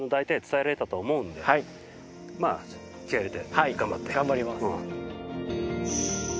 はい頑張ります。